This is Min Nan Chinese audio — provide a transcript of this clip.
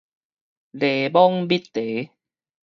檸檬蜜茶